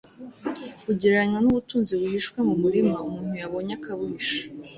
bugereranywa n ubutunzi buhishwe mu murima umuntu yabonye akabuhisha